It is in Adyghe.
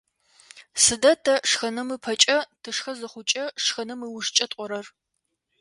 Сыда тэ шхэным ыпэкӏэ, тышхэ зыхъукӏэ, шхэным ыужкӏэ тӏорэр?